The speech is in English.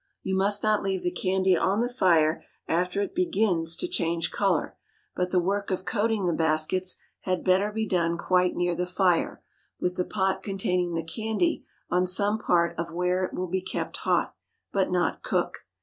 You must not leave the candy on the fire after it begins to change color, but the work of coating the baskets had better be done quite near the fire, with the pot containing the candy on some part of it where it will be kept hot, but not cook.